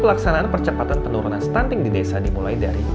pelaksanaan percepatan penurunan stunting di desa dimulai dari